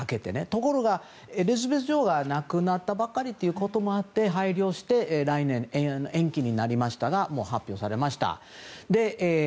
ところがエリザベス女王が亡くなったばかりということもあって配慮して来年に延期になりましたがもう発表されました。